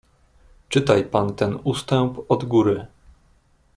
"Czytaj pan ten ustęp od góry!"